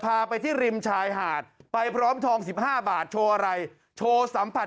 พาไปที่ริมชายหาดไปพร้อมทอง๑๕บาทโชว์อะไรโชว์สัมผัส